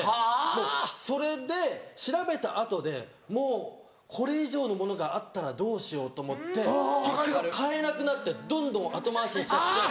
もうそれで調べた後でもうこれ以上のものがあったらどうしようと思って結局買えなくなってどんどん後回しにしちゃって。